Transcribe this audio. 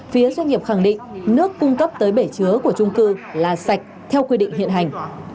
phía doanh nghiệp khẳng định nước cung cấp tới bể chứa của trung cư là sạch theo quy định hiện hành